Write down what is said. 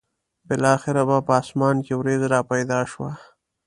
بالاخره به په اسمان کې ورېځ را پیدا شوه.